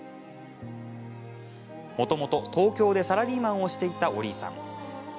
もともと東京でサラリーマンをしていた折井さん。